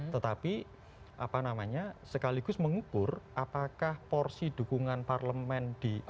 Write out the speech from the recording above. tetapi apa namanya sekaligus mengukur apakah porsi dukungan parlemen di